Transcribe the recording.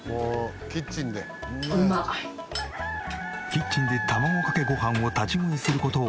キッチンで卵かけご飯を立ち食いする事